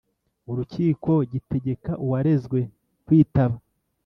Urukiko gitegeka uwarezwe kwitaba